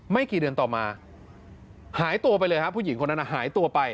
กี่เดือนต่อมาหายตัวไปเลยครับผู้หญิงคนนั้นหายตัวไป